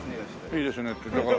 いいですねって。